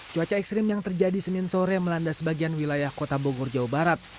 cuaca ekstrim yang terjadi senin sore melanda sebagian wilayah kota bogor jawa barat